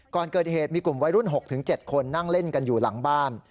ก่อนเกิดเหตุมีกลุ่มวัยรุ่น๖๗คนนั่งเล่นกันอยู่หลังบ้าน